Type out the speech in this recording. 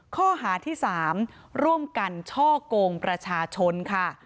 ข้อหาที่๓ร่วมกันช่อกงประชาชนค่ะ